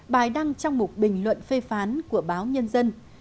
bài đăng trong một bình luận phê phán của báo nhân dân